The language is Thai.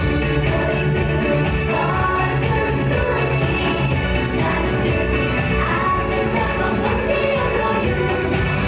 มาได้หาในตอนช่างตาทำให้เราไม่แท้คิด